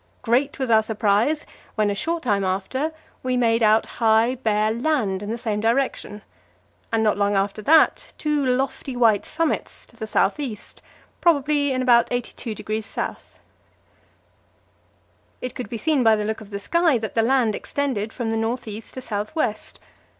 Great was our surprise when, a short time after, we made out high, bare land in the same direction, and not long after that two lofty, white summits to the south east, probably in about 82° S. It could be seen by the look of the sky that the land extended from north east to south west.